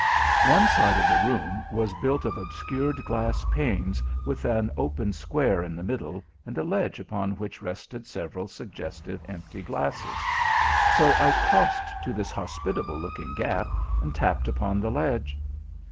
One side of the room was built of obscured glass panes, with an open square in the middle and a ledge upon which rested several suggestive empty glasses, so I crossed to this hospitable looking gap, and tapped upon the ledge.